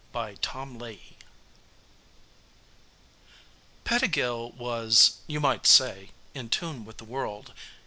] [Sidenote: _Pettigill was, you might say, in tune with the world.